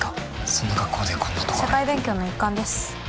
そんな格好でこんなところに社会勉強の一環です